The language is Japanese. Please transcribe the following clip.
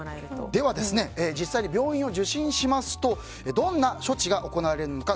では、実際に病院を受診しますとどんな処置が行われるのか。